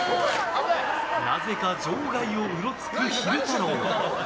なぜか場外をうろつく昼太郎。